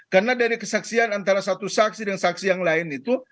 karena dari kesaksian antara satu saksi dan saksi yang lain itu